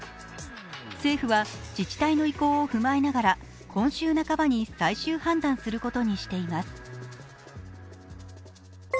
政府は自治体の意向を踏まえながら今週半ばに最終判断することにしています。